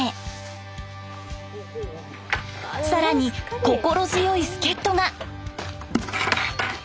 更に心強い助っとが。